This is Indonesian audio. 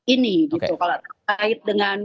ini gitu kalau terkait dengan